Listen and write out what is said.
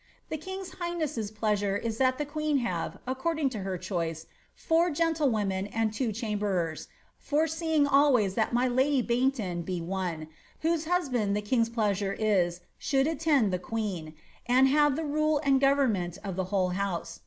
The king's highnesses pleasure is that the queen have, acoo her choice, four gentlewomen and two chamberers, foreseeing always i lady Baynton be one, whose husband the kings pleasure is should aU queen, and have the rule and government of the whole house.